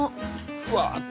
ふわって。